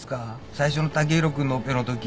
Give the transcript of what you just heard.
最初の剛洋君のオペのとき。